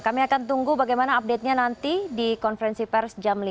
kami akan tunggu bagaimana update nya nanti di konferensi pers jam lima